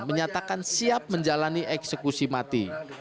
menyatakan siap menjalani eksekusi mati